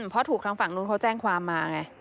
เพราะถูกทางฝั่งนู้นเขาแจ้งความมาไง